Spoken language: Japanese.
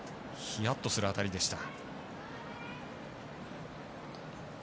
ヒヤッとする当たりでした。